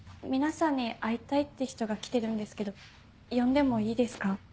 皆さんに会いたいって人が来てるんですけど呼んでもいいですか？